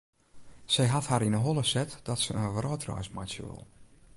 Sy hat har yn 'e holle set dat se in wrâldreis meitsje wol.